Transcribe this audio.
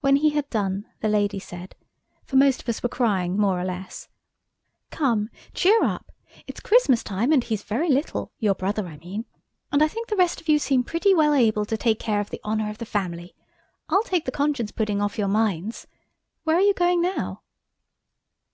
When he had done the lady said, for most of us were crying more or less– "Come, cheer up! It's Christmas time, and he's very little–your brother, I mean. And I think the rest of you seem pretty well able to take care of the honour of the family. I'll take the conscience pudding off your minds. Where are you going now?"